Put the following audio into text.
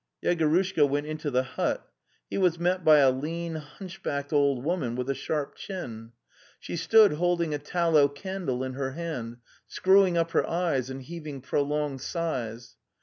Yegorushka went into the hut. He was met by a lean hunchbacked old woman witha sharp chin. She stood holding a tallow candle in her hands, screw ing up her eyes and heaving prolonged sighs.